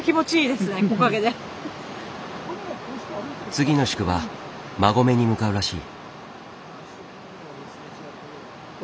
次の宿場馬籠に向かうらしい。